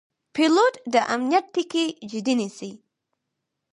پیلوټ د امنیت ټکي جدي نیسي.